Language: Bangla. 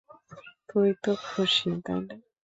তুই তো খুশি, তাই না?